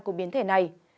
của biến thể này